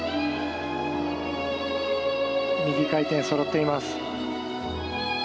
そろっています。